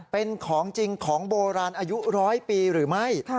เป็นของจริงของโบราณอายุร้อยปีหรือไม่